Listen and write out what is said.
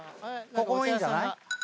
ここもいいんじゃない。